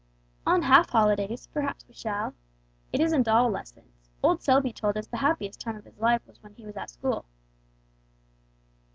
"On half holidays, perhaps we shall. It isn't all lessons; old Selby told us the happiest time of his life was when he was at school."